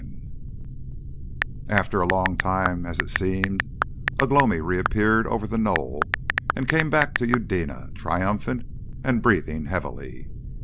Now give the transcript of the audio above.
And after a long time, as it seemed, Ugh lomi reappeared over the knoll, and came back to Eudena, triumphant and breathing heavily.